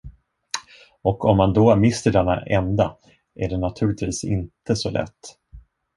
Och om man då mister denna enda, är det naturligtvis inte så lätt.